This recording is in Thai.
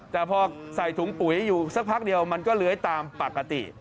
แต่พอใส่ถุงปุ๋ยอยู่สักพักเดียวมันก็เลื้อยตามปกติ